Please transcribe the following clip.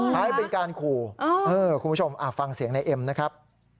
อ๋อนะครับคุณผู้ชมฟังเสียงในเอ็มนะครับ